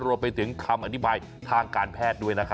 รวมไปถึงคำอธิบายทางการแพทย์ด้วยนะครับ